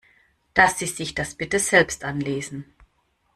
Dass Sie sich das bitte selbst anlesen.